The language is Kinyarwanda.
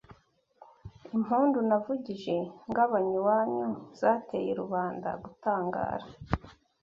Impundu navugije ngabanye iwanyu zateye Rubanda gutangara